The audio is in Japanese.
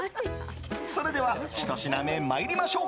それでは１品目、参りましょう。